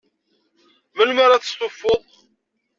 Melmi ara testufuḍ?